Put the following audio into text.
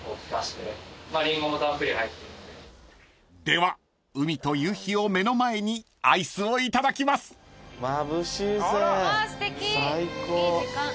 ［では海と夕日を目の前にアイスをいただきます］最高。